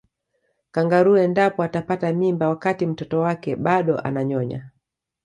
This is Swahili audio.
kangaroo endapo atapata mimba wakati mtoto wake bado ananyonya